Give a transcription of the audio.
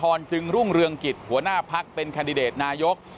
กรกตกลางได้รับรายงานผลนับคะแนนจากทั่วประเทศมาแล้วร้อยละ๔๕๕๔พักการเมืองที่มีแคนดิเดตนายกคนสำคัญ